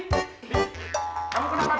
tih kamu kena apa b